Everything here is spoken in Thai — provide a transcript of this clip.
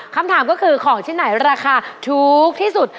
คำถามก็คือของที่ไหนราคาถูกที่สุด